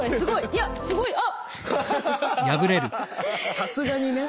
さすがにね。